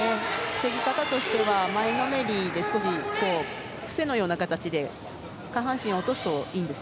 防ぎ方としては、前のめりで伏せのような形で下半身を落とすといいんです。